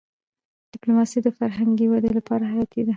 ډيپلوماسي د فرهنګي ودي لپاره حياتي ده.